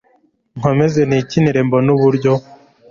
nkomeze nikinire mbone uburyo